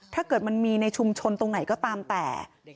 ถ้าเกิดมันมีในชุมชนตรงไหนก็ตามแต่